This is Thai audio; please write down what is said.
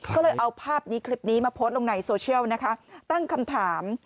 ก็เลยเอาภาพนี้คลิปนี้มาโพสต์ลงในโซเชียลนะคะตั้งคำถาม